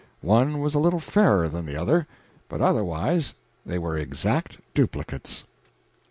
One was a little fairer than the other, but otherwise they were exact duplicates.